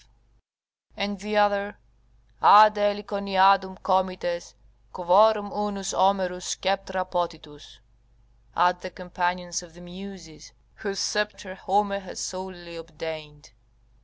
] and the other, "Adde Heliconiadum comites, quorum unus Homerus Sceptra potitus;" ["Add the companions of the Muses, whose sceptre Homer has solely obtained."